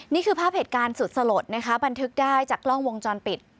นี่คือภาพเหตุการณ์สุดสลดนะคะบันทึกได้จากกล้องวงจรปิด